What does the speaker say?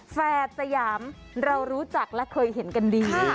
แฝดสยามเรารู้จักและเคยเห็นกันดี